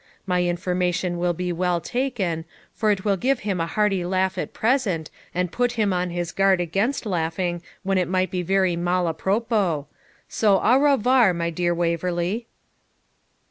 My information will be well taken, for it will give him a hearty laugh at present, and put him on his guard against laughing when it might be very mal a propos. So, au revoir, my dear Waverley.'